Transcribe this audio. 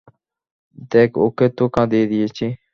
দেখ, ওকে তো কাঁদিয়ে দিয়েছি।